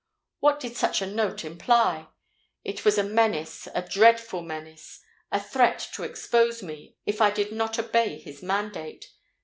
What did such a note imply? It was a menace—a dreadful menace,—a threat to expose me, if I did not obey his mandate!